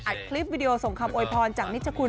อัดคลิปวิดีโอส่งคำโวยพรจากนิชคุณ